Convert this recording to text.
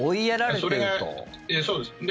そうです。